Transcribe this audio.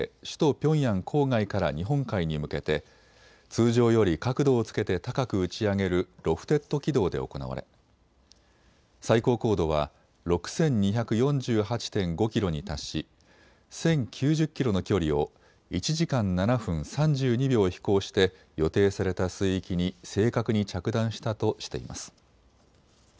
首都ピョンヤン郊外から日本海に向けて通常より角度をつけて高く打ち上げるロフテッド軌道で行われ、最高高度は６２４８．５キロに達し１０９０キロの距離を１時間７分３２秒飛行して予定された水域に正確に着弾したとしています。